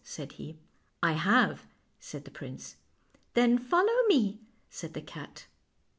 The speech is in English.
" said he. " I have," said the prince. " Then follow me," said the cat.